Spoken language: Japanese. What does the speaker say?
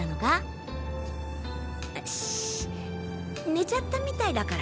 寝ちゃったみたいだから。